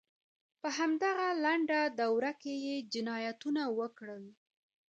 په همدغه لنډه دوره کې یې جنایتونه وکړل.